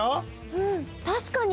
うんたしかに。